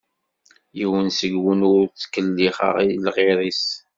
Yiwen seg-wen ur ittkellix i lɣir-is.